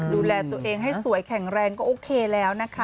ดูแลตัวเองให้สวยแข็งแรงก็โอเคแล้วนะคะ